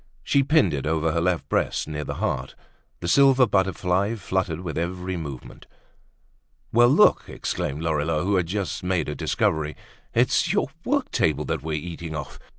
She pinned it over her left breast, near the heart. The silver butterfly fluttered with her every movement. "Well, look," exclaimed Lorilleux, who had just made a discovery, "it's your work table that we're eating off!